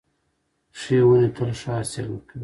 ښې ونې تل ښه حاصل ورکوي .